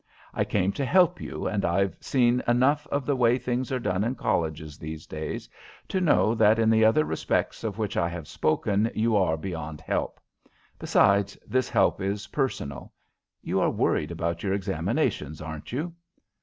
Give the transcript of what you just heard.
I came to help you, and I've seen enough of the way things are done in colleges these days to know that in the other respects of which I have spoken you are beyond help. Besides, this help is personal. You are worried about your examinations, aren't you?"